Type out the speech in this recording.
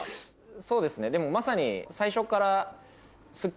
そうですねでもまさに最初から。